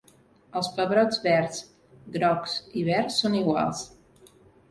Els pebrots verds, grocs i verd són iguals.